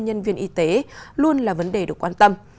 nhân viên y tế luôn là vấn đề được quan tâm